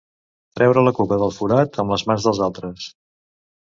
Treure la cuca del forat amb les mans dels altres.